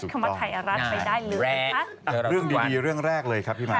เซิร์ชคำว่าไทรัศน์ไปได้เลยค่ะนานแรกเรื่องดีเรื่องแรกเลยครับพี่มัน